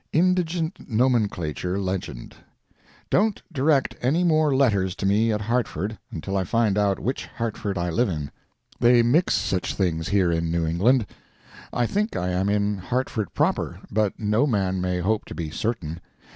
Indigent Nomenclature Legend. Don't direct any more letters to me at Hartford until I find out which Hartford I live in. They mix such things here in New England. I think I am in Hartford proper, but no man may hope to be certain.